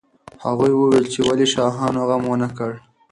هغوی وویل چې ولې شاهانو غم ونه کړ.